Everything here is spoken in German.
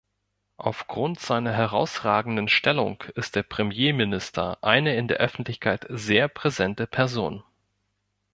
Aufgrund seiner herausragenden Stellung ist der Premierminister eine in der Öffentlichkeit sehr präsente Person.